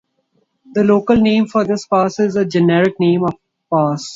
The local name for this pass is a generic name of pass.